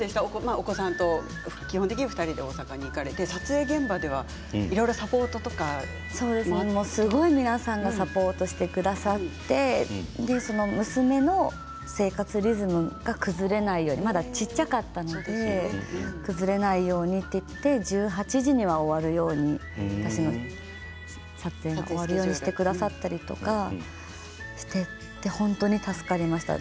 お子さんと大阪に行かれて撮影現場ではいろいろサポート皆さんがすごくサポートしてくださって娘の生活リズムが崩れないようにまだ小さかったので崩れないようにと言っていただいて１８時には終わるように私の撮影が終わるようにスケジュールを組んでくださったり本当に助かりました。